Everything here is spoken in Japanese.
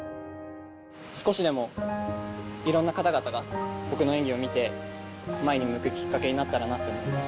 少しでもいろんな方々が、僕の演技を見て、前を向くきっかけになったらなと思います。